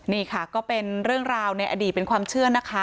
นี่ค่ะก็เป็นเรื่องราวในอดีตเป็นความเชื่อนะคะ